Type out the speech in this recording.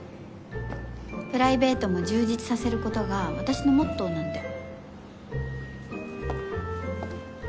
プライベートも充実させる事が私のモットーなんで。